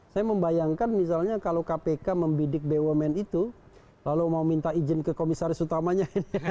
saya membayangkan misalnya kalau kpk membidik bumn itu lalu mau minta izin ke komisaris utamanya